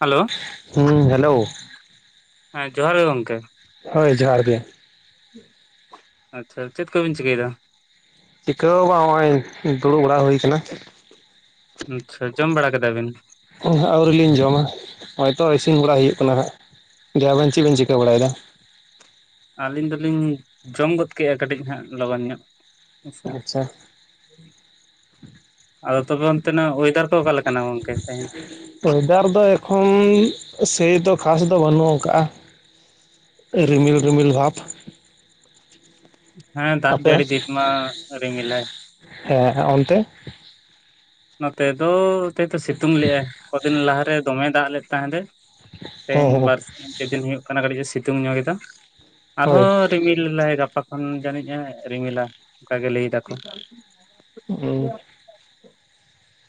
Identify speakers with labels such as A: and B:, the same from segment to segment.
A: Hello
B: ᱦᱩᱸ hello
A: ᱦᱮᱸ ᱡᱚᱦᱟᱨ ᱜᱮ ᱜᱚᱝᱠᱮ᱾
B: ᱦᱳᱭ ᱡᱚᱦᱟᱨ ᱜᱮ
A: ᱟᱪᱪᱷᱟ ᱪᱮᱫ ᱠᱚᱵᱤᱱ ᱪᱤᱠᱟᱹᱭᱫᱟ?
B: ᱪᱤᱠᱟᱹ ᱦᱚᱸ ᱵᱟᱝ ᱦᱚᱜᱚᱭ ᱫᱩᱲᱩᱵ ᱵᱟᱲᱟ ᱦᱩᱭ ᱠᱟᱱᱟ᱾
A: ᱟᱪᱪᱷᱟ ᱡᱚᱢ ᱵᱟᱲᱟ ᱠᱮᱫᱟ ᱵᱤᱱ?
B: ᱦᱮᱸ ᱦᱮᱸ ᱟᱹᱣᱨᱤ ᱞᱤᱧ ᱡᱚᱢᱟ ᱱᱚᱜᱼᱚᱭ ᱛᱚ ᱤᱥᱤᱱ ᱵᱟᱲᱟ ᱦᱩᱭᱩᱜ ᱠᱟᱱᱟ ᱦᱟᱸᱜ᱾ ᱫᱤᱭᱮ ᱟᱵᱤᱱ ᱪᱮᱫ ᱵᱮᱱ ᱪᱤᱠᱟᱹ ᱵᱟᱲᱟᱭᱫᱟ᱾
A: ᱟᱹᱞᱤᱧ ᱫᱚᱞᱤᱧ ᱡᱚᱢ ᱜᱚᱫ ᱠᱮᱫᱼᱟ ᱠᱟᱹᱴᱤᱡ ᱦᱟᱸᱜ ᱞᱚᱜᱚᱱ ᱧᱚᱜ ᱦᱮᱸ ᱥᱮ᱾
B: ᱟᱪᱪᱷᱟ
A: ᱟᱫᱚ ᱛᱚᱵᱮ ᱚᱱᱛᱮ ᱱᱟᱜ ᱚᱭᱮᱫᱟᱨ ᱠᱚ ᱚᱠᱟ ᱞᱮᱠᱟᱱᱟ ᱜᱚᱝᱠᱮ ᱛᱮᱦᱮᱧ᱾
B: ᱚᱭᱮᱫᱟᱨ ᱫᱚ ᱮᱠᱷᱚᱱ ᱥᱮᱭ ᱫᱚ ᱠᱷᱟᱥ ᱫᱚ ᱵᱟᱹᱱᱩᱜ ᱠᱟᱜᱼᱟ᱾ ᱥᱮ ᱨᱤᱢᱤᱠ ᱨᱤᱢᱤᱠ ᱵᱷᱟᱵᱽ?
A: ᱦᱮᱸ ᱫᱟᱜ
B: ᱟᱯᱮ
A: ᱡᱟᱹᱲᱤ ᱫᱤᱱ ᱢᱟ ᱨᱤᱢᱤᱞᱮ
B: ᱦᱮᱸ ᱦᱮᱸ, ᱚᱱᱛᱮ?
A: ᱱᱚᱛᱮ ᱫᱚ, ᱱᱚᱛᱮ ᱥᱤᱛᱩᱝ ᱞᱮᱜ-ᱟᱭ ᱠᱚᱫᱤᱱ ᱞᱟᱦᱟᱨᱮ ᱫᱚᱢᱮ ᱫᱟᱜ ᱞᱮᱫ ᱛᱟᱦᱮᱸᱫᱮ᱾
B: ᱦᱮᱸ
A: ᱛᱮᱦᱮᱧ
B: ᱦᱮᱸ
A: ᱵᱟᱨ ᱥᱤᱧ, ᱯᱮᱫᱤᱱ ᱦᱩᱭᱩᱜ ᱠᱟᱱᱟ ᱠᱟᱹᱴᱤᱡ ᱥᱤᱛᱩᱝ ᱧᱚᱜ ᱮᱫᱟ,
B: ᱦᱳᱭ
A: ᱟᱨᱦᱚᱸ ᱨᱤᱢᱤᱞ ᱨᱤᱢᱤᱞ ᱫᱟᱭ ᱜᱟᱯᱟ ᱠᱷᱚᱱ ᱡᱟᱹᱱᱤᱡ-ᱮ ᱨᱤᱢᱤᱞᱟ ᱚᱱᱠᱟᱜᱮ ᱞᱟᱹᱭ ᱫᱟᱠᱚ᱾
B: ᱦᱩᱸ᱾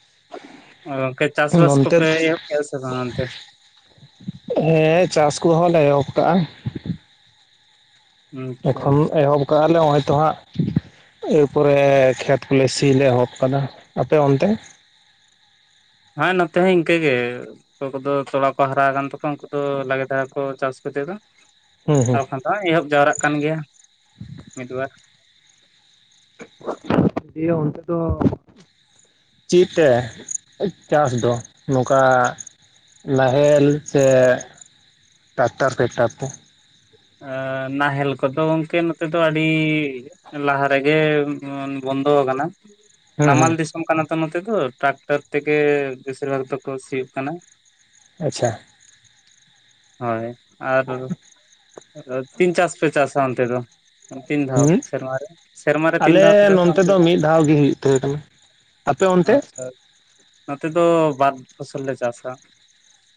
B: [inaudible]
A: ᱟᱨ ᱜᱚᱝᱠᱮ ᱪᱟᱥᱵᱟᱥ
B: ᱱᱚᱱᱛᱮ
A: ᱠᱚᱯᱮ ᱮᱦᱚᱵ ᱠᱮᱜ-ᱟ ᱥᱮ ᱵᱟᱝ ᱚᱱᱛᱮ?
B: ᱦᱮᱸ ᱪᱟᱥ ᱠᱚᱦᱚᱸᱞᱮ ᱮᱦᱚᱵ ᱠᱟᱜ-ᱟ᱾
A: ᱟᱪᱪᱷᱟ
B: ᱮᱠᱷᱚᱱ ᱮᱦᱚᱵ ᱠᱟᱜ-ᱟᱞᱮ ᱦᱚᱸᱜ-ᱚᱭ ᱛᱚ ᱦᱟᱸᱜ ᱮᱨᱯᱚᱨᱮ ᱠᱷᱮᱛ ᱠᱚᱞᱮ ᱥᱤ ᱞᱮ ᱮᱦᱚᱵ ᱠᱟᱫᱟ᱾ ᱟᱯᱮ ᱚᱱᱛᱮ?
A: ᱦᱮᱸ ᱱᱚᱛᱮ ᱦᱚᱸ ᱤᱝᱠᱟᱹᱜᱮ᱾ ᱚᱠᱚᱭ ᱠᱚᱫᱚ ᱛᱚᱲᱟ ᱠᱚ ᱦᱟᱨᱟ ᱟᱠᱟᱱ ᱛᱟᱠᱚ, ᱩᱝᱠᱩ ᱫᱚ ᱞᱟᱜᱮ ᱫᱷᱟᱨᱟ ᱠᱚ ᱪᱟᱥ [unintelligible] ᱫᱚ᱾
B: ᱦᱩᱸ ᱦᱩᱸ
A: ᱟᱨ ᱵᱟᱝᱠᱷᱟᱱ ᱫᱚ ᱦᱟᱸᱜ ᱮᱦᱚᱵ ᱡᱟᱣᱨᱟᱜ ᱠᱟᱱ ᱜᱮᱭᱟ ᱢᱤᱫ-ᱵᱟᱨ᱾
B: ᱫᱤᱭᱮ ᱚᱱᱛᱮ ᱫᱚ ᱪᱮᱫᱛᱮ ᱪᱟᱥ ᱫᱚ? ᱱᱚᱝᱠᱟ ᱱᱟᱦᱮᱞ ᱥᱮ ᱴᱟᱠᱴᱟᱨ-ᱯᱷᱮᱠᱴᱟᱨ ᱛᱮ?
A: ᱮᱸᱻ ᱱᱟᱦᱮᱞ ᱠᱚᱫᱚ ᱜᱚᱝᱠᱮ ᱱᱚᱛᱮ ᱫᱚ ᱟᱹᱰᱤ ᱞᱟᱦᱟ ᱨᱮᱜᱮ ᱵᱚᱱᱫᱚᱣ ᱟᱠᱟᱱᱟ᱾
B: ᱦᱩᱸ ᱦᱩᱸ
A: ᱱᱟᱢᱟᱞ ᱫᱤᱥ ᱥᱚᱢ ᱠᱟᱱᱟ ᱛᱚ, ᱱᱚᱛᱮ ᱫᱚ ᱴᱟᱠᱴᱟᱨ ᱛᱮᱜᱮ ᱵᱮᱥᱤᱨ ᱵᱷᱟᱜᱽ ᱫᱚᱠᱚ ᱥᱤᱭᱳᱜ ᱠᱟᱱᱟ᱾
B: ᱟᱪᱪᱷᱟ᱾
A: ᱦᱳᱭ, ᱟᱨ ᱛᱤᱱ ᱪᱟᱥ ᱯᱮ ᱪᱟᱥᱟ ᱚᱱᱛᱮ ᱫᱚ? ᱛᱤᱱ ᱫᱷᱟᱣ
B: ᱦᱩᱸ
A: ᱥᱮᱨᱢᱟ ᱨᱮ, ᱥᱮᱨᱢᱟ ᱨᱮ ᱛᱤᱱ ᱫᱷᱟᱣ ᱯᱮ
B: ᱟᱞᱮ
A: ᱪᱟᱥᱟ
B: ᱱᱚᱱᱛᱮ
A: ᱚᱱᱛᱮ ᱫᱚ?
B: ᱢᱤᱫ ᱫᱷᱟᱣ ᱜᱮ ᱦᱩᱭᱩᱜ ᱛᱟᱦᱮᱸ ᱠᱟᱱᱟ ᱟᱯᱮ ᱚᱱᱛᱮ?
A: ᱟᱪᱪᱷᱟ ᱱᱚᱛᱮ ᱫᱚ ᱵᱟᱨ ᱯᱷᱚᱥᱚᱞ ᱞᱮ ᱪᱟᱥᱟ᱾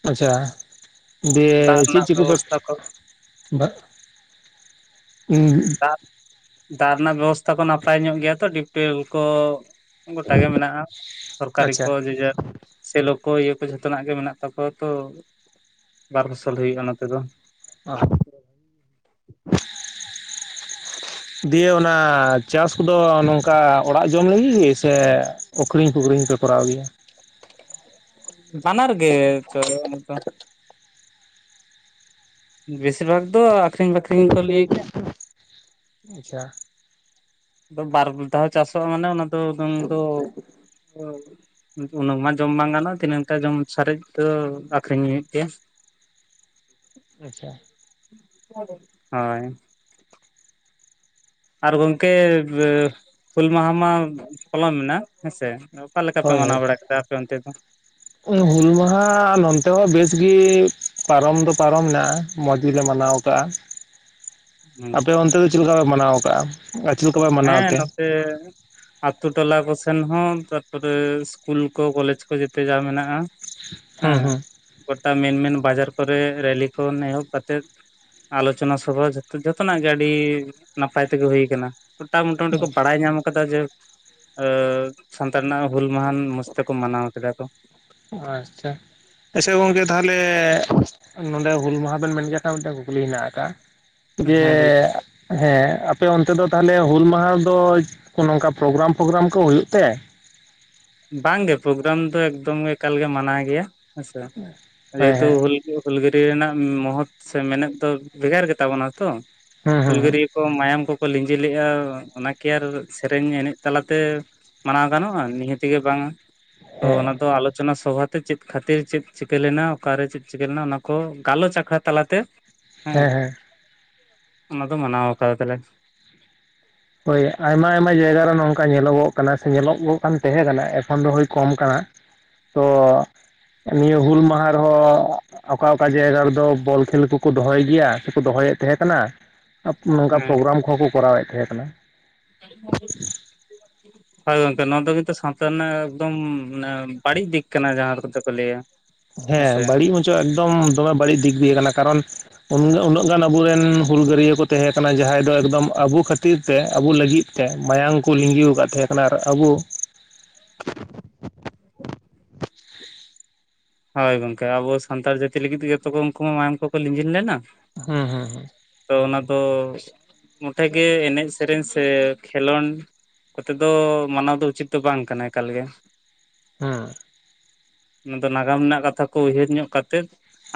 B: ᱟᱪᱪᱷᱟ, ᱫᱤᱭᱮ
A: ᱫᱟᱜ
B: ᱪᱮᱫ
A: ᱨᱮᱱᱟᱜ
B: ᱪᱮᱫ ᱠᱚᱯᱮ
A: ᱵᱮᱵᱚᱥᱛᱷᱟ ᱠᱚ
B: ᱵᱟ, ᱩᱸᱦᱩᱸ᱾
A: ᱟᱨ ᱫᱟᱜ ᱨᱮᱱᱟᱜ ᱵᱮᱵᱚᱥᱛᱷᱟ ᱠᱚ ᱱᱟᱯᱟᱭ ᱧᱚᱜ ᱜᱮᱭᱟ ᱛᱚ ᱰᱤᱯᱴᱩᱭᱮᱞ ᱠᱚ? ᱜᱚᱴᱟᱜᱮ ᱢᱮᱱᱟᱜ-ᱟ ᱥᱚᱨᱠᱟᱨᱤ
B: ᱟᱪᱪᱷᱟ
A: ᱠᱚ ᱡᱮᱡᱟᱨ᱾ ᱥᱮᱞᱚ ᱠᱚ ᱤᱭᱟᱹ ᱠᱚ ᱡᱷᱚᱛᱚᱱᱟᱜ ᱜᱮ ᱢᱮᱱᱟᱜ ᱛᱟᱠᱚᱣᱟ ᱛᱚ, ᱵᱟᱨ ᱯᱷᱚᱥᱚᱞ ᱦᱩᱭᱩᱜ-ᱟ ᱚᱱᱟ ᱛᱮᱫᱚ᱾
B: [unintelligible] ᱫᱤᱭᱮ ᱚᱱᱟ ᱪᱟᱥ ᱠᱚᱫᱚ ᱱᱚᱝᱠᱟ ᱚᱲᱟᱜ ᱡᱚᱢ ᱞᱟᱹᱜᱤᱫ ᱥᱮ-ᱼ ᱟᱹᱠᱷᱨᱤᱧ ᱯᱩᱠᱷᱨᱤᱧ ᱯᱮ ᱠᱚᱨᱟᱣ ᱜᱮᱭᱟ᱾
A: ᱵᱟᱱᱟᱨ ᱜᱮ ᱪᱚ ᱚᱱᱠᱟ᱾ ᱵᱮᱥᱤᱨ ᱵᱷᱟᱜᱽ ᱫᱚ ᱟᱠᱷᱨᱤᱧ ᱵᱟᱠᱷᱨᱤᱧ ᱠᱚ ᱞᱟᱹᱭ ᱜᱮᱭᱟ᱾
B: ᱟᱪᱪᱷᱟ᱾
A: ᱟᱫᱚ ᱵᱟᱨ ᱫᱷᱟᱣ ᱪᱟᱥᱚᱜ-ᱟ ᱢᱟᱱᱮ ᱚᱱᱟ ᱫᱚ, ᱟᱫᱚ ᱩᱱ ᱫᱚ ᱩᱱᱟᱹᱜ ᱢᱟ ᱡᱚᱢ ᱵᱟᱝ ᱜᱟᱱᱚᱜ-ᱟ ᱛᱤᱱᱟᱹᱝᱴᱟ ᱡᱚᱢ ᱥᱟᱨᱮᱡ ᱫᱚ ᱟᱠᱷᱨᱤᱧ ᱦᱩᱭᱩᱜ ᱜᱮᱭᱟ᱾
B: ᱟᱪᱪᱷᱟ᱾
A: ᱦᱳᱭ᱾ ᱟᱨ ᱜᱚᱝᱠᱮ ᱦᱩᱞ ᱢᱟᱦᱟ ᱢᱟ ᱯᱚᱞᱚᱢᱮᱱᱟ ᱦᱮᱸᱥᱮ᱾ ᱚᱠᱟ ᱞᱮᱠᱟᱯᱮ
B: ᱦᱳᱭ ᱦᱳᱭ
A: ᱢᱟᱱᱟᱣ ᱵᱟᱲᱟ ᱠᱮᱫᱟ ᱟᱯᱮ ᱚᱱᱛᱮ ᱫᱚ?
B: ᱦᱩᱞ ᱢᱟᱦᱟ ᱱᱚᱱᱛᱮ ᱦᱚᱸ ᱵᱮᱥᱜᱤ ᱯᱟᱨᱚᱢ ᱫᱚ ᱯᱟᱨᱚᱢᱱᱟ ᱢᱚᱡᱽ ᱜᱮᱞᱮ ᱢᱟᱱᱟᱣ ᱠᱟᱜ-ᱟ, ᱟᱯᱮ ᱚᱱᱛᱮ ᱫᱚ ᱪᱮᱫ ᱞᱮᱠᱟ ᱯᱮ ᱢᱟᱱᱟᱣ ᱠᱟᱜᱼᱟ ᱟᱨ ᱪᱮᱫ ᱞᱮᱠᱟ ᱯᱮ ᱢᱟᱱᱟᱣ ᱛᱮ?
A: [inaudible] ᱟᱛᱩ ᱴᱚᱞᱟ ᱠᱚᱥᱮᱱ ᱦᱚᱸ ᱛᱟᱨᱯᱚᱨᱮ ᱤᱥᱠᱩᱞ ᱠᱚ ᱠᱚᱞᱮᱡᱽ ᱠᱚ ᱡᱮᱛᱮ ᱡᱟ ᱢᱮᱱᱟᱜᱼᱟ᱾
B: ᱦᱩᱸ
A: ᱦᱮᱸ
B: ᱦᱩᱸ
A: ᱜᱚᱴᱟ ᱢᱮᱱ ᱢᱮᱱ ᱵᱟᱡᱟᱨ ᱠᱚᱨᱮ ᱨᱮᱞᱤ ᱠᱷᱚᱱ ᱮᱦᱚᱵ ᱠᱟᱛᱮᱫ ᱟᱞᱳᱪᱚᱱᱟ ᱥᱚᱵᱷᱟ ᱡᱷᱚᱛᱚᱱᱟᱜ ᱜᱮ ᱟᱹᱰᱤ ᱱᱟᱯᱟᱭ ᱛᱮᱜᱮ ᱦᱩᱭ ᱠᱟᱱᱟ ᱾ ᱜᱚᱴᱟ ᱢᱚᱴᱟᱢᱩᱴᱤ ᱠᱚ ᱵᱟᱲᱟᱭ ᱧᱟᱢ ᱠᱟᱫᱟ ᱡᱮ [inaudible] ᱥᱟᱱᱛᱟᱲ ᱨᱮᱱᱟᱜ ᱦᱩᱞ ᱢᱟᱦᱟᱸ ᱢᱚᱸᱡᱽ ᱛᱮᱠᱚ ᱢᱟᱱᱟᱣ ᱠᱮᱫᱟ ᱠᱚ᱾
B: ᱟᱪᱪᱷᱟ ᱟᱪᱪᱷᱟ ᱜᱚᱝᱠᱮ ᱛᱟᱦᱚᱞᱮ ᱱᱚᱰᱮ ᱦᱩᱞ ᱢᱟᱦᱟ ᱵᱮᱱ ᱢᱮᱱ ᱠᱮᱫ ᱠᱷᱟᱱ ᱢᱤᱫᱴᱮᱱ ᱠᱩᱠᱞᱤ ᱦᱮᱱᱟᱜ ᱠᱟᱜ-ᱟ ᱡᱮ
A: ᱦᱮᱸ ᱞᱟᱹᱭ
B: ᱦᱮᱸ ᱟᱯᱮ ᱚᱱᱛᱮ ᱫᱚ ᱛᱟᱦᱚᱞᱮ ᱦᱩᱞ ᱢᱟᱦᱟ ᱨᱮᱫᱚ ᱠᱚ ᱱᱚᱝᱠᱟ ᱯᱨᱳᱜᱨᱟᱢ ᱯᱨᱳᱜᱨᱟᱢ ᱠᱚ ᱦᱩᱭᱩᱜ ᱛᱮ?
A: ᱵᱟᱝ ᱜᱮ ᱯᱨᱳᱜᱨᱟᱢ ᱫᱚ ᱮᱠᱫᱚᱢ ᱮᱠᱟᱞ ᱜᱮ ᱢᱟᱱᱟ ᱜᱮᱭᱟ ᱦᱮᱸ ᱥᱮ,
B: ᱦᱮᱸ
A: ᱡᱮᱦᱮᱛᱩ
B: ᱦᱮᱸ
A: ᱦᱩᱞ ᱦᱩᱞᱜᱟᱹᱨᱭᱟᱹ ᱨᱮᱱᱟᱜ ᱢᱚᱦᱚᱛ ᱥᱮ ᱢᱮᱱᱮᱫ ᱫᱚ ᱵᱷᱮᱜᱟᱨ ᱜᱮᱛᱟ ᱵᱚᱱᱟ᱾ ᱛᱚ
B: ᱦᱩᱸ ᱦᱩᱸ ᱦᱩᱸ
A: ᱦᱩᱞᱜᱟᱹᱨᱭᱟᱹ ᱠᱚ ᱢᱟᱭᱟᱢ ᱠᱚ ᱠᱚ ᱞᱤᱸᱡᱤ ᱞᱮᱜᱼᱟ ᱚᱱᱟ ᱠᱤ ᱟᱨ ᱥᱮᱨᱮᱧ ᱮᱱᱮᱡ ᱛᱟᱞᱟᱛᱮ ᱢᱟᱱᱟᱣ ᱜᱟᱱᱚᱜᱼᱟ, ᱱᱤ ᱛᱮᱜᱮ ᱵᱟᱝᱟ, ᱛᱚ
B: ᱦᱮᱸ
A: ᱚᱱᱟ ᱫᱚ ᱟᱞᱳᱪᱚᱱᱟ ᱥᱚᱵᱷᱟ ᱪᱮᱫ ᱠᱷᱟᱹᱛᱤᱨ ᱪᱮᱫ ᱪᱤᱠᱟᱹ ᱞᱮᱱᱟ ᱚᱠᱟᱨᱮ ᱪᱮᱫ ᱪᱤᱠᱟᱹ ᱞᱮᱱᱟ ᱚᱱᱟ ᱠᱚ ᱜᱟᱞᱚᱪ ᱟᱠᱷᱲᱟ ᱛᱟᱞᱟ ᱛᱮ ᱦᱮᱸ, ᱚᱱᱟ ᱫᱚ ᱢᱟᱱᱟᱣ ᱠᱟᱣᱫᱟ ᱟᱞᱮ᱾
B: ᱦᱳᱭ ᱟᱭᱢᱟ ᱟᱭᱢᱟ ᱡᱟᱭᱜᱟ ᱨᱮ ᱱᱚᱝᱠᱟ ᱧᱮᱞᱚᱜᱚᱜ ᱠᱟᱱᱟ ᱥᱮ ᱧᱮᱞᱚᱜᱚᱜ ᱠᱟᱱ ᱛᱟᱦᱮᱸ ᱠᱟᱱᱟ ᱮᱠᱷᱚᱱ ᱫᱚ ᱦᱳᱭ ᱠᱚᱢ ᱟᱠᱟᱱᱟ ᱾ ᱛᱚ, ᱱᱤᱭᱟᱹ ᱦᱩᱞ ᱢᱟᱦᱟ ᱨᱮᱦᱚᱸ ᱚᱠᱟ ᱚᱠᱟ ᱡᱟᱭᱜᱟ ᱨᱮᱫᱚ ᱵᱚᱞ ᱠᱷᱮᱞ ᱠᱚᱠᱚ ᱫᱚᱦᱚᱭ ᱜᱮᱭᱟ ᱥᱮ ᱠᱚ ᱫᱚᱦᱚᱭᱮᱫ ᱛᱟᱦᱮᱸ ᱠᱟᱱᱟ ᱾ ᱟᱯ ᱱᱚᱝᱠᱟ
A: ᱦᱮᱸ
B: ᱯᱨᱳᱜᱨᱟᱢ ᱠᱚᱦᱚᱸ ᱠᱚ ᱠᱚᱨᱟᱣ ᱮᱫ ᱛᱟᱦᱮᱸ ᱠᱟᱱᱟ ᱾
A: [unintelligible] ᱦᱳᱭ ᱜᱚᱝᱠᱮ ᱱᱚᱣᱟ ᱫᱚ ᱠᱤᱱᱛᱩ ᱥᱟᱶᱛᱟ ᱨᱮᱱᱟᱜ ᱮᱠᱫᱚᱢ ᱢᱟᱱᱮ ᱵᱟᱹᱲᱤᱡ ᱫᱤᱠ ᱠᱟᱱᱟ ᱡᱟᱦᱟᱸ ᱫᱚ ᱠᱚᱛᱮ ᱠᱚ ᱞᱟᱹᱭᱟ ᱾
B: ᱦᱮᱸ ᱵᱟᱹᱲᱤᱡ ᱢᱟᱪᱚ ᱮᱠᱫᱚᱢ ᱫᱚᱢᱮ ᱵᱟᱹᱲᱤᱡ ᱫᱤᱠ ᱫᱤᱭᱟᱹ ᱠᱟᱱᱟ, ᱠᱟᱨᱚᱱ ᱩᱱ ᱜᱮ ᱩᱱᱟᱹᱜ ᱜᱟᱱ ᱟᱵᱚᱨᱮᱱ ᱦᱩᱞ ᱜᱟᱹᱨᱭᱟᱹ ᱠᱚ ᱛᱟᱦᱮᱸ ᱠᱟᱱᱟ ᱡᱟᱦᱟᱸᱭ ᱫᱚ ᱮᱠᱫᱚᱢ ᱟᱵᱩ ᱠᱷᱟᱹᱛᱤᱨ ᱛᱮ ᱟᱵᱩ ᱞᱟᱹᱜᱤᱫ ᱛᱮ ᱢᱟᱭᱟᱝ ᱠᱚ ᱞᱤᱸᱜᱤ ᱟᱠᱟᱫ ᱛᱟᱦᱮᱸ ᱟᱨ ᱟᱵᱩ
A: ᱦᱳᱭ ᱜᱚᱝᱠᱮ ᱟᱵᱚ ᱥᱟᱱᱛᱟᱲ ᱡᱟᱹᱛᱤ ᱞᱟᱹᱜᱤᱫ ᱛᱮ ᱠᱚ ᱩᱱᱠᱩ ᱢᱟ ᱢᱟᱭᱟᱢ ᱠᱚᱠᱚ ᱞᱤᱸᱡᱤᱱ ᱞᱮᱱᱟ᱾
B: ᱦᱩᱸ ᱦᱩᱸ ᱦᱩᱸ᱾
A: ᱛᱚ ᱚᱱᱟ ᱫᱚ ᱢᱚᱴᱷᱮ ᱜᱮ ᱮᱱᱮᱡ ᱥᱮᱨᱮᱧ ᱥᱮ ᱠᱷᱮᱞᱳᱱᱰ ᱠᱚᱛᱮ ᱫᱚ ᱢᱟᱱᱟᱣ ᱫᱚ ᱩᱪᱤᱛ ᱫᱚ ᱵᱟᱝ ᱠᱟᱱᱟ ᱮᱠᱟᱞ ᱜᱮ ᱾
B: ᱦᱩᱸ ᱾
A: ᱚᱱᱟ ᱱᱟᱜᱟᱢ ᱨᱮᱱᱟᱜ ᱠᱟᱛᱷᱟ ᱠᱚ ᱩᱭᱦᱟᱹᱨ ᱧᱚᱜ ᱠᱟᱛᱮᱫ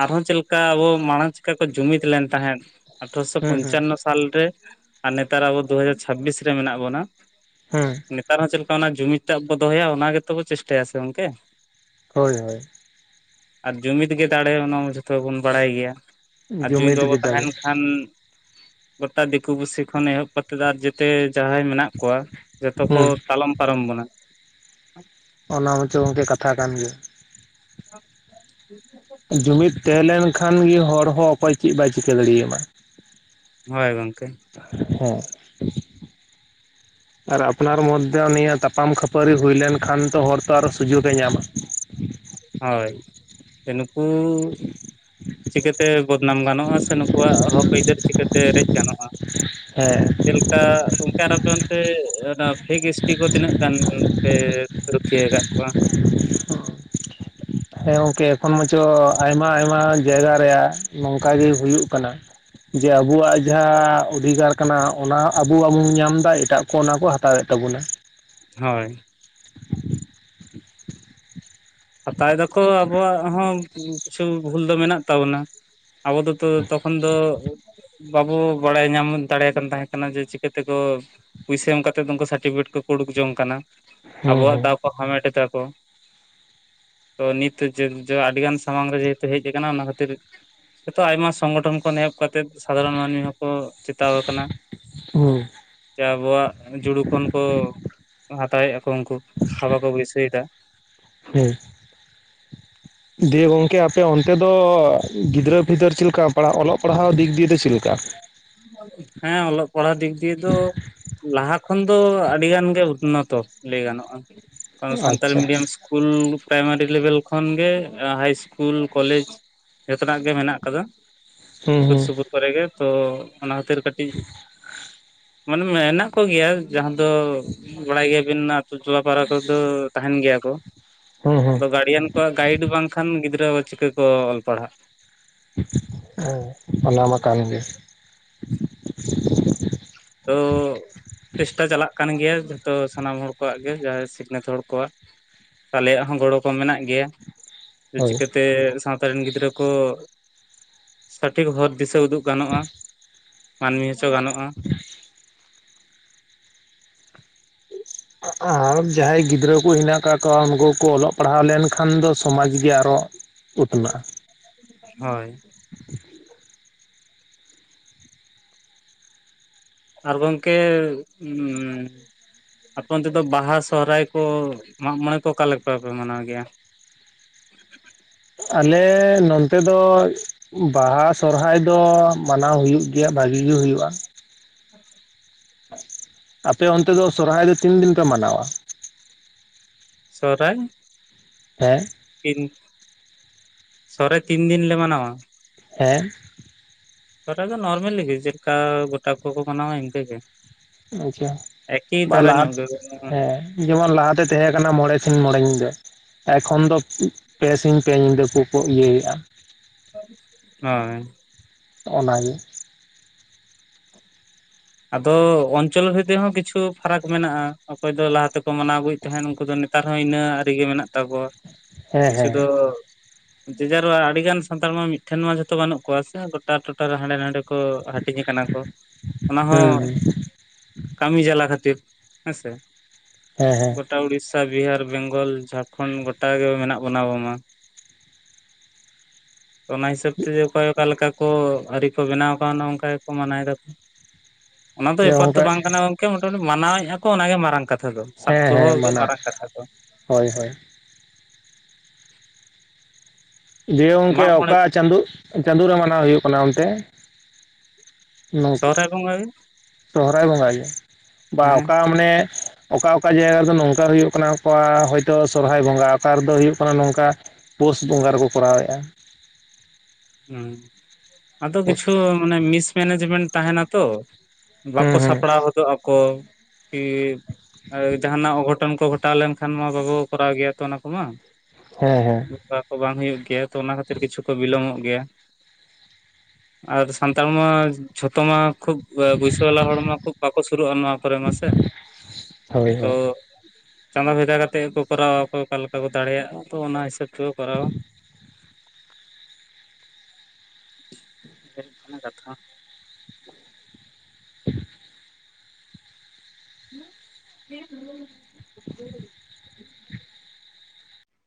A: ᱟᱨᱦᱚᱸ ᱪᱮᱫ ᱞᱮᱠᱟ ᱟᱵᱚ ᱢᱟᱲᱟᱝ ᱪᱤᱠᱟ ᱠᱚ ᱡᱩᱢᱤᱫ ᱞᱮᱱ ᱛᱟᱦᱮᱸᱫ ᱟᱴᱷᱨᱚᱥᱚ
B: ᱦᱩᱸ ᱦᱩᱸ
A: ᱯᱚᱧᱪᱟᱱᱱᱚ ᱥᱟᱞᱨᱮ ᱟᱨ ᱱᱮᱛᱟᱨ ᱟᱵᱚ ᱫᱩ ᱦᱟᱡᱟᱨ ᱪᱷᱟᱵᱵᱤᱥ ᱨᱮ ᱢᱮᱱᱟᱜ ᱵᱚᱱᱟ
B: ᱦᱩᱸ
A: ᱾ ᱱᱮᱛᱟᱨ ᱦᱚᱸ ᱪᱮᱫ ᱞᱮᱠᱟ ᱚᱱᱟ ᱡᱩᱢᱤᱫ ᱴᱟᱜ ᱵᱚ ᱫᱚᱦᱚᱭᱟ ᱚᱱᱟ ᱜᱮᱛᱚ ᱵᱚ ᱪᱮᱥᱴᱟᱭᱟ ᱥᱮ ᱜᱚᱝᱠᱮ?
B: ᱦᱳᱭ ᱦᱳᱭ ᱾
A: ᱟᱨ ᱡᱩᱢᱤᱫ ᱜᱮ ᱫᱟᱲᱮ ᱚᱱᱟ ᱢᱟ ᱡᱷᱚᱛᱚ ᱜᱮ ᱵᱚᱱ ᱵᱟᱲᱟᱭ ᱜᱮᱭᱟ ᱟᱨ ᱡᱩᱢᱤᱫ
B: ᱜᱮ
A: ᱵᱟᱵᱚᱱ
B: ᱫᱟᱲᱮ
A: ᱛᱟᱦᱮᱱ ᱠᱷᱟᱱ ᱜᱚᱴᱟ ᱫᱤᱠᱩ ᱯᱩᱥᱤ ᱠᱷᱚᱱ ᱮᱦᱚᱵ ᱠᱟᱛᱮᱫ ᱟᱨ ᱡᱮᱛᱮ ᱡᱟᱦᱟᱸᱭ ᱢᱮᱱᱟᱜ ᱠᱚᱣᱟ ᱡᱚᱛᱚ ᱠᱚ
B: ᱦᱩᱸ
A: ᱛᱟᱞᱚᱢ ᱯᱟᱨᱚᱢ ᱵᱚᱱᱟ ᱾
B: ᱚᱱᱟ ᱢᱟᱪᱚ ᱜᱚᱝᱠᱮ ᱠᱟᱛᱷᱟ ᱠᱟᱱ ᱜᱮᱭᱟ ᱾ ᱡᱩᱢᱤᱫ ᱛᱟᱦᱮᱸ ᱞᱮᱱᱠᱷᱟᱱ ᱜᱮ ᱦᱚᱲ ᱦᱚᱸ ᱚᱠᱚᱭ ᱪᱮᱫ ᱵᱟᱭ ᱪᱤᱠᱟᱹ ᱫᱟᱲᱮᱭ ᱟᱢᱟ᱾
A: ᱦᱳᱭ ᱜᱚᱝᱠᱮ ᱾
B: ᱦᱮᱸ ᱾ ᱟᱨ ᱟᱯᱱᱟᱨ ᱢᱚᱫᱽᱫᱷᱮ ᱱᱤᱭᱟᱹ ᱛᱟᱯᱟᱢ ᱠᱷᱟᱹᱯᱟᱹᱨᱤ ᱦᱩᱭ ᱞᱮᱱᱠᱷᱟᱱ ᱛᱚ ᱦᱚᱲ ᱛᱚ ᱟᱨᱚ ᱥᱩᱡᱳᱜ ᱮ ᱧᱟᱢᱟ ᱾
A: ᱦᱳᱭ ᱡᱮ ᱱᱩᱠᱩ ᱪᱤᱠᱟ ᱛᱮ ᱵᱚᱫᱱᱟᱢ ᱜᱟᱱᱚᱜᱼᱟ, ᱥᱮ ᱱᱩᱠᱩᱣᱟᱜ ᱦᱚᱠ ᱟᱹᱭᱫᱟᱹᱨ ᱪᱤᱠᱟᱹᱛᱮ ᱨᱮᱡ ᱜᱟᱱᱚᱜᱼᱟ?
B: ᱦᱮᱸ
A: ᱡᱮᱞᱮ ᱠᱟ ᱜᱚᱝᱠᱮ ᱟᱨ ᱟᱯᱮ ᱚᱱᱛᱮ, ᱚᱱᱟ ᱯᱷᱮᱠ ᱮᱥ ᱴᱤ ᱠᱚ ᱛᱤᱱᱟᱹᱜ ᱜᱟᱱ ᱯᱮ, ᱨᱩᱠᱷᱤᱭᱟᱹ ᱠᱟᱜ ᱠᱚᱣᱟ?
B: ᱦᱮᱸ ᱜᱚᱝᱠᱮ ᱮᱠᱷᱚᱱ ᱢᱟᱪᱚ, ᱟᱭᱢᱟ ᱟᱭᱢᱟ ᱡᱟᱭᱜᱟ ᱨᱮᱭᱟᱜ ᱱᱚᱝᱠᱟ ᱜᱮ ᱦᱳᱭᱩᱜ ᱠᱟᱱᱟ᱾ ᱡᱮ ᱟᱵᱩᱣᱟᱜ ᱡᱟᱦᱟᱸ ᱚᱫᱷᱤᱠᱟᱨ ᱠᱟᱱᱟ, ᱚᱱᱟ ᱟᱵᱩ ᱵᱟᱵᱚᱱ ᱧᱟᱢ ᱫᱟ, ᱮᱴᱟᱜ ᱠᱚ ᱚᱱᱟ ᱠᱚ, ᱦᱟᱛᱟᱣᱮᱫ ᱛᱟᱵᱚᱱᱟ᱾
A: ᱦᱚᱭ᱾ ᱦᱟᱛᱟᱣ ᱫᱟᱠᱚ ᱟᱵᱚᱣᱟᱜ ᱦᱚᱸ, ᱠᱤᱪᱷᱩ ᱵᱷᱩᱞ ᱫᱚ ᱢᱮᱱᱟᱜ ᱛᱟᱵᱚᱱᱟ᱾ ᱟᱵᱚ ᱫᱚ ᱛᱚ ᱛᱚᱠᱷᱚᱱ ᱫᱚ ᱵᱟᱵᱚ ᱵᱟᱲᱟᱭ ᱧᱟᱢ ᱫᱟᱲᱮᱭᱟ ᱠᱟᱱ, ᱛᱟᱦᱮᱸ ᱠᱟᱱᱟ ᱡᱮ ᱪᱤᱠᱟᱹ ᱛᱮᱠᱚ? ᱯᱩᱭᱥᱟᱹ ᱮᱢ ᱠᱟᱛᱮᱫ ᱫᱚ ᱩᱱᱠᱩ ᱥᱟᱨᱴᱤᱯᱷᱤᱠᱮᱴ ᱠᱚᱠᱚ, ᱩᱳᱰᱩᱠ ᱡᱚᱝ ᱠᱟᱱᱟ,
B: ᱦᱩᱸ
A: ᱟᱵᱚᱣᱟᱜ
B: ᱦᱩᱸ
A: ᱫᱟᱣ ᱠᱚ ᱦᱟᱢᱮᱴ ᱫᱟ ᱠᱚ᱾ ᱛᱚ ᱱᱤᱛ ᱪᱮᱫ ᱪᱚ ᱟᱹᱰᱤᱜᱟᱱ ᱥᱟᱢᱟᱝ ᱨᱮ, ᱡᱮᱦᱮᱛᱩ ᱦᱮᱡ ᱠᱟᱱᱟ, ᱚᱱᱟ ᱠᱷᱟᱹᱛᱤᱨ ᱡᱚᱛᱚ ᱟᱭᱢᱟ ᱥᱚᱝᱜᱚᱴᱷᱚᱱ ᱠᱷᱚᱱ ᱮᱦᱚᱵ ᱠᱟᱛᱮᱫ, ᱥᱟᱫᱷᱟᱨᱚᱱ ᱢᱟᱹᱱᱢᱤ ᱦᱚᱸᱠᱚ ᱪᱮᱛᱟᱣ ᱠᱟᱱᱟ᱾
B: ᱦᱩᱸ
A: ᱡᱮ ᱟᱵᱚᱣᱟᱜ ᱡᱩᱲᱩ ᱠᱷᱚᱱ ᱠᱚ, ᱦᱟᱛᱟᱣᱮᱜᱼᱟ ᱠᱚ ᱩᱱᱠᱩ, ᱛᱷᱟᱵᱟ ᱠᱚ ᱵᱟᱹᱭᱥᱟᱹᱣ ᱫᱟ᱾
B: ᱦᱩᱸ, ᱫᱤᱭᱮ ᱜᱚᱝᱠᱮ ᱟᱯᱮ ᱚᱱᱛᱮ ᱫᱚ, ᱜᱤᱫᱽᱨᱟᱹ ᱯᱤᱫᱟᱹᱨ ᱪᱮᱫ ᱞᱮᱠᱟ, ᱯᱟᱲᱦᱟᱜ ᱚᱞᱚᱜ ᱯᱟᱲᱦᱟᱣ ᱫᱤᱠ ᱫᱤᱭᱮ ᱪᱮᱫ ᱞᱮᱠᱟ?
A: ᱦᱮᱸ ᱚᱞᱚᱜ ᱯᱟᱲᱦᱟᱣ, ᱫᱤᱠ ᱫᱤᱭᱮ ᱫᱚ ᱞᱟᱦᱟ ᱠᱷᱚᱱ ᱫᱚ ᱟᱹᱰᱤ ᱜᱟᱱ ᱜᱮ ᱩᱱᱱᱚᱛᱚ ᱞᱟᱹᱭ ᱜᱟᱱᱚᱜᱼᱟ, ᱠᱟᱨᱚᱱ ᱥᱟᱱᱛᱟᱞᱤ
B: ᱟᱪᱪᱷᱟ
A: ᱢᱤᱰᱤᱭᱟᱢ᱾ ᱥᱠᱩᱞ ᱯᱨᱟᱭᱢᱟᱨᱤ ᱞᱮᱵᱮᱞ ᱠᱷᱚᱱ ᱜᱮ, ᱦᱟᱭ ᱤᱥᱠᱩᱞ ᱠᱚᱞᱮᱡᱽ᱾ ᱡᱚᱛᱚᱱᱟᱜ ᱜᱮ ᱢᱮᱱᱟᱜ ᱠᱟᱫᱟ,
B: ᱦᱩᱸ
A: ᱥᱩᱨ
B: ᱦᱩᱸ
A: ᱥᱩᱯᱩᱨ ᱠᱚᱨᱮ ᱜᱮ ᱛᱚ ᱚᱱᱟ ᱠᱷᱟᱹᱛᱤᱨ ᱠᱟᱹᱴᱤᱡ, ᱢᱟᱱᱮ ᱢᱮᱱᱟᱜ ᱠᱚᱜᱮᱭᱟ, ᱡᱟᱦᱟᱱ ᱛᱚ ᱵᱟᱲᱟᱭ ᱜᱮᱭᱟᱵᱤᱱ, ᱟᱛᱳ ᱴᱚᱞᱟ ᱯᱟᱲᱟ ᱠᱚᱨᱮ ᱫᱚ, ᱛᱟᱦᱮᱸᱱ ᱜᱮᱭᱟ ᱠᱚ᱾
B: ᱦᱩᱸ ᱦᱩᱸ
A: ᱟᱫᱚ ᱜᱟᱨᱡᱮᱱ ᱠᱚᱣᱟᱜ ᱜᱟᱭᱤᱰ ᱵᱟᱝᱠᱷᱟᱱ ᱜᱤᱫᱽᱨᱟᱹ ᱫᱚ, ᱪᱤᱠᱟᱹ ᱠᱚ ᱚᱞ ᱯᱟᱲᱦᱟᱜ᱾
B: ᱦᱮᱸ, ᱚᱱᱟ ᱢᱟ ᱠᱟᱱ ᱜᱮ᱾
A: ᱛᱟᱹᱣ ᱪᱮᱥᱴᱟ ᱪᱟᱞᱟᱜ ᱠᱟᱱ ᱜᱮᱭᱟ, ᱡᱷᱚᱛᱚ ᱥᱟᱱᱟᱢ ᱦᱚᱲ ᱠᱚᱣᱟᱜ ᱜᱮ, ᱡᱟᱦᱟᱸᱭ ᱥᱤᱠᱷᱱᱟᱹᱛ ᱦᱚᱲ ᱠᱚᱣᱟᱜ᱾ ᱟᱞᱮᱭᱟᱜ ᱦᱚᱸ, ᱜᱚᱲᱚ ᱠᱚ ᱢᱮᱱᱟᱜ ᱜᱮᱭᱟ,
B: ᱦᱳᱭ
A: ᱪᱤᱠᱟᱹᱛᱮ ᱥᱟᱶᱛᱟ ᱨᱮᱱ ᱜᱤᱫᱽᱨᱟᱹ ᱠᱚ ᱥᱚᱴᱷᱤᱠ ᱦᱚᱨ ᱫᱤᱥᱟᱹ ᱩᱫᱩᱜ ᱜᱟᱱᱚᱜᱼᱟ, ᱢᱟᱹᱱᱢᱤ ᱦᱚᱪᱚ ᱜᱟᱱᱚᱜᱼᱟ᱾
B: [inaudible] [inaudible] ᱟᱨ ᱡᱟᱦᱟᱸᱭ ᱜᱤᱫᱽᱨᱟᱹ ᱠᱩ ᱦᱮᱱᱟᱜ ᱠᱟᱜ ᱠᱚᱣᱟ, ᱩᱱᱠᱩ ᱠᱚ ᱚᱞᱚᱜ ᱯᱟᱲᱦᱟᱣ ᱞᱮᱱᱠᱷᱟᱱ ᱫᱚ, ᱥᱚᱢᱟᱽ ᱜᱮ ᱟᱨᱚ ᱩᱛᱱᱟᱹᱜᱼᱟ᱾
A: ᱦᱳᱭ᱾
B: [unintelligible] [inaudible]
A: ᱟᱨ ᱜᱚᱝᱠᱮ, ᱩᱸ ᱟᱯᱮ ᱚᱱᱛᱮ ᱫᱚ ᱵᱟᱦᱟ ᱥᱚᱦᱨᱟᱭ ᱠᱚ, ᱢᱟᱸᱜ ᱢᱚᱸᱬᱮ ᱠᱚ, ᱚᱠᱟ ᱞᱮᱠᱟ ᱯᱮ ᱢᱟᱱᱟᱣ ᱜᱮᱭᱟ?
B: ᱟᱞᱮ ᱱᱚᱱᱛᱮ ᱫᱚ ᱵᱟᱦᱟ ᱥᱚᱨᱦᱟᱭ ᱫᱚ, ᱢᱟᱱᱟᱣ ᱦᱳᱭᱩᱜ ᱜᱮᱭᱟ, ᱵᱷᱟᱹᱜᱤ ᱜᱮ ᱦᱳᱭᱩᱜᱼᱟ᱾ ᱟᱯᱮ ᱚᱱᱛᱮ ᱫᱚ ᱥᱚᱨᱦᱟᱭ ᱫᱚ, ᱛᱤᱱ ᱫᱤᱱ ᱯᱮ ᱢᱟᱱᱟᱣᱟ?
A: ᱥᱚᱨᱦᱟᱭ,
B: ᱦᱮᱸ,
A: ᱛᱤᱱ, ᱥᱚᱦᱨᱟᱭ ᱛᱤᱱ ᱫᱤᱱ ᱞᱮ ᱢᱟᱱᱟᱣᱟ?
B: ᱦᱮᱸ,
A: ᱥᱚᱦᱨᱟᱭ ᱫᱚ ᱱᱚᱨᱢᱟᱞᱤ ᱜᱮ, ᱪᱮᱫ ᱠᱟ ᱜᱚᱴᱟ ᱠᱚ ᱠᱚ ᱢᱟᱱᱟᱣᱟ ᱤᱱᱠᱟᱹ ᱜᱮ᱾
B: ᱟᱪᱪᱷᱟ,
A: ᱮᱠᱤ
B: ᱵᱟ
A: ᱫᱷᱟᱨᱟ
B: ᱞᱟᱦᱟ
A: ᱧᱚᱜ ᱜᱮ
B: ᱦᱮᱸ᱾ ᱡᱮᱢᱚᱱ ᱞᱟᱦᱟ ᱛᱮ ᱛᱮᱦᱮᱸ ᱠᱟᱱᱟ, ᱢᱚᱸᱬᱮ ᱥᱤᱧ ᱢᱚᱸᱬᱮ ᱧᱤᱫᱟᱹ᱾ ᱮᱠᱷᱚᱱ ᱫᱚ ᱯᱮ ᱥᱤᱧ ᱯᱮ ᱧᱤᱫᱟᱹ ᱠᱚᱠᱚ ᱤᱭᱟᱹᱭᱮᱜᱼᱟ
A: ᱦᱩᱸ
B: ᱚᱱᱟᱜᱮ
A: ᱟᱫᱚ ᱚᱧᱪᱚᱞ ᱵᱷᱤᱛᱤ ᱦᱚᱸ ᱠᱤᱪᱷᱩ ᱯᱷᱟᱨᱟᱠ ᱢᱮᱱᱟᱜᱼᱟ ᱚᱠᱚᱭ ᱫᱚ ᱞᱟᱦᱟ ᱛᱮᱠᱚ ᱢᱟᱱᱟᱣ ᱟᱹᱜᱩᱭᱮᱫ ᱛᱟᱦᱮᱸᱫ ᱩᱱᱠᱩ ᱫᱚ ᱱᱤ ᱱᱮᱛᱟᱨ ᱦᱚᱸ ᱤᱱᱟᱹ ᱟᱹᱨᱤ ᱜᱮ ᱢᱮᱱᱟᱜ ᱛᱟᱠᱚᱣᱟ
B: ᱦᱮᱸ
A: ᱠᱤᱪᱷᱩ
B: ᱦᱮᱸ
A: ᱫᱚ ᱡᱮᱡᱟᱨ ᱟᱹᱰᱤ ᱜᱟᱱ ᱥᱟᱱᱛᱟᱲ ᱢᱟ ᱢᱤᱫᱴᱷᱮᱱ ᱢᱟ ᱡᱷᱚᱛᱚ ᱵᱟᱹᱱᱩᱜ ᱠᱚᱣᱟ ᱥᱮ ᱜᱚᱴᱟ ᱴᱚᱴᱷᱟᱨ ᱨᱮ ᱦᱟᱸᱰᱮ ᱱᱟᱸᱰᱮ ᱠᱚ ᱦᱟᱹᱴᱤᱧ ᱠᱟᱱᱟ ᱠᱚ ᱚᱱᱟ
B: ᱦᱩᱸ
A: ᱦᱚᱸ ᱠᱟᱹᱢᱤ ᱡᱟᱞᱟ ᱠᱷᱟᱹᱛᱤᱨ ᱦᱮᱸᱥᱮ
B: ᱦᱮᱸ ᱦᱮᱸ
A: ᱜᱚᱴᱟ ᱩᱲᱤᱥᱥᱟ ᱵᱤᱦᱟᱨ ᱵᱮᱝᱜᱚᱞ ᱡᱷᱟᱲᱠᱷᱚᱸᱰ ᱜᱚᱴᱟ ᱜᱮ ᱢᱮᱱᱟᱜ ᱵᱚᱱᱟ ᱵᱟᱝ ᱢᱟ᱾
B: [unintelligible]
A: ᱛᱚ ᱚᱱᱟ ᱦᱤᱥᱟᱹᱵ ᱛᱮᱫᱚ ᱚᱠᱚᱭ ᱚᱠᱟ ᱞᱮᱠᱟ ᱠᱚ ᱟᱹᱨᱤ ᱠᱚ ᱵᱮᱱᱟᱣ ᱟᱠᱟᱣᱱᱟ ᱚᱱᱠᱟ ᱜᱮᱠᱚ ᱢᱟᱱᱟᱣ ᱮᱫᱟᱠᱚ ᱚᱱᱟ ᱫᱚ ᱵᱮᱯᱟᱨ ᱛᱚ
B: ᱚᱱᱠᱟ
A: ᱵᱟᱝ ᱠᱟᱱᱟ ᱜᱚᱝᱠᱮ ᱢᱚᱴᱟᱢᱩᱴᱤ ᱢᱟᱱᱟᱣᱮᱜᱼᱟ ᱠᱚ ᱚᱱᱟᱜᱮ ᱢᱟᱨᱟᱝ ᱠᱟᱛ ᱠᱟᱛᱷᱟ ᱫᱚ ᱥᱟᱵ
B: ᱦᱮᱸ
A: ᱫᱚᱦᱚ
B: ᱦᱮᱸ
A: ᱜᱮ
B: ᱢᱟᱱᱟᱣ
A: ᱢᱟᱨᱟᱝ ᱠᱟᱛᱷᱟ ᱫᱚ
B: ᱦᱳᱭ ᱦᱳᱭ ᱫᱤᱭᱮ ᱜᱚᱝᱠᱮ
A: ᱢᱟᱜ ᱢᱚᱬᱮ
B: ᱚᱠᱟ ᱪᱟᱸᱫᱳ ᱪᱟᱸᱫᱳ ᱨᱮ ᱢᱟᱱᱟᱣ ᱦᱳᱭᱳᱜ ᱠᱟᱱᱟ ᱚᱱᱛᱮ ᱱᱚᱝᱠᱟ
A: ᱥᱚᱦᱨᱟᱭ ᱵᱚᱸᱜᱟ ᱜᱮ
B: ᱥᱚᱦᱚᱨᱟᱭ ᱵᱚᱸᱜᱟ ᱜᱮ ᱵᱟ
A: ᱦᱮᱸ
B: ᱚᱠᱟ ᱢᱟᱱᱮ ᱚᱠᱟ ᱚᱠᱟ ᱡᱟᱭᱜᱟ ᱨᱮᱫᱚ ᱱᱚᱝᱠᱟ ᱦᱩᱭᱩᱜ ᱠᱟᱱᱟ ᱚᱠᱟ ᱥᱚᱨᱦᱟᱭ ᱵᱚᱸᱜᱟ ᱚᱠᱟ ᱨᱮᱫᱚ ᱦᱩᱭᱩᱜ ᱠᱟᱱᱟ ᱱᱚᱝᱠᱟ ᱯᱳᱥ ᱵᱚᱸᱜᱟ ᱨᱮᱠᱚ ᱠᱚᱨᱟᱣᱮᱜᱼᱟ
A: ᱟᱫᱚ
B: ᱦᱩᱸ
A: ᱠᱤᱪᱷᱩ ᱢᱤᱥ ᱢᱮᱱᱮᱡᱢᱮᱱᱴ ᱛᱟᱦᱮᱱᱟ ᱛᱚ ᱵᱟᱠᱚ
B: ᱦᱩᱸ
A: ᱥᱟᱯᱲᱟᱣ ᱜᱚᱫᱚᱜᱼᱟ ᱠᱚ ᱠᱤ ᱡᱟᱦᱟᱱᱟᱜ ᱚᱜᱷᱚᱴᱚᱱ ᱠᱚ ᱜᱷᱚᱴᱟᱣ ᱞᱮᱱᱠᱷᱟᱱ ᱢᱟ ᱵᱟᱵᱚ ᱠᱚᱨᱟᱣ ᱜᱮᱭᱟ ᱛᱚ ᱚᱱᱟ ᱠᱚᱢᱟ᱾
B: ᱦᱮᱸ ᱦᱮᱸ
A: [unintelligible] ᱠᱚ ᱵᱟᱝ ᱦᱩᱭᱩᱜ ᱜᱮᱭᱟ ᱛᱚ ᱚᱱᱟ ᱠᱷᱟᱹᱛᱤᱨ ᱠᱤᱪᱷᱩ ᱠᱚ ᱵᱤᱞᱚᱢᱚᱜ ᱜᱮᱭᱟ ᱟᱨ ᱥᱟᱱᱛᱟᱲ ᱢᱟ ᱡᱷᱚᱛᱚ ᱢᱟ ᱠᱷᱩᱵ ᱵᱟᱹᱭᱥᱟᱣᱟᱞᱟ ᱦᱚᱲᱢᱟ ᱠᱷᱩᱵ ᱵᱟᱠᱚ ᱥᱩᱨᱩᱜᱼᱟ ᱱᱚᱣᱟ ᱠᱚᱨᱮ ᱢᱟᱥᱮ
B: ᱦᱳᱭ
A: ᱛᱚ
B: ᱦᱳᱭ
A: ᱪᱟᱸᱫᱟ ᱵᱷᱮᱫᱟ ᱠᱟᱛᱮᱫ ᱠᱚ ᱠᱚᱨᱟᱣᱟ ᱚᱠᱚᱭ ᱚᱠᱟ ᱞᱮᱠᱟ ᱠᱚ ᱫᱟᱲᱮᱭᱟᱜᱼᱟ ᱛᱚ ᱚᱱᱟ ᱦᱤᱥᱟᱹᱵᱽ ᱛᱮ ᱛᱚ ᱠᱚᱨᱟᱟᱣᱼᱟ [inaudible]
B: [inaudible]
A: [inaudible]